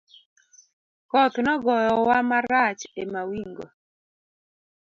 Koth nogoyo wa marach e mawingo.